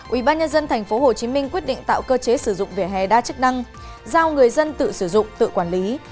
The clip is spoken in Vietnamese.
ubnd tp hcm quyết định tạo cơ chế sử dụng vỉa hè đa chức năng giao người dân tự sử dụng tự quản lý